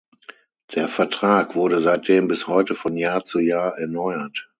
Der Vertrag wurde seitdem bis heute von Jahr zu Jahr erneuert.